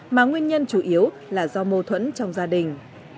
mà nguyên nhân chủ yếu là do mâu thuẫn trong gia đình